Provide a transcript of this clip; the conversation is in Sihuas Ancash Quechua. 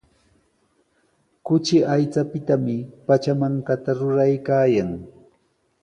Kuchi aychapitami pachamankata ruraykaayan.